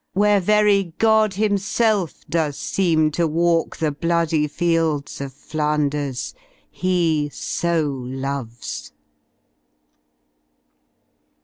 Where very God Himself does seem to walk The bloody fields of Flanders He so loves!